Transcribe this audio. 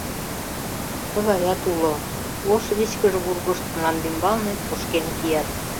Тыгаят уло: ош вичкыж вургышт мландӱмбалне кошкен кият.